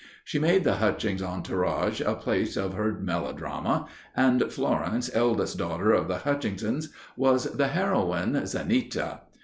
She made the Hutchings' entourage a part of her melodrama, and Florence, eldest daughter of the Hutchingses, was the heroine, "Zanita."